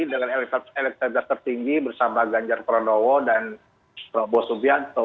dengan elektabilitas tertinggi bersama ganjar pranowo dan prabowo subianto